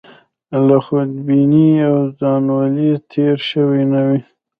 له خودبینۍ او ځانولۍ تېر شوي نه وي.